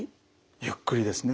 ゆっくりですね。